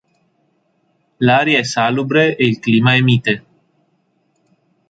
L'aria è salubre e il clima è mite.